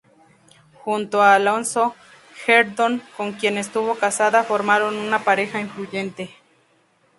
Junto a Alonzo Herndon, con quien estuvo casada, formaron una pareja influyente.